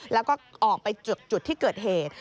แล้วก็ออกไปจุดที่เกิดเหตุ